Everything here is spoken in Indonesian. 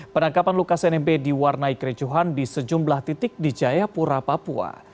penangkapan lukas nmb diwarnai kericuhan di sejumlah titik di jayapura papua